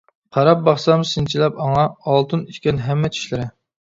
قاراپ باقسام سىنچىلاپ ئاڭا، ئالتۇن ئىكەن ھەممە چىشلىرى.